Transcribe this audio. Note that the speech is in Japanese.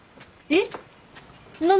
えっ！？